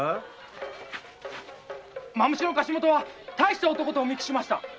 蝮の貸元は大した男とお見受けしました。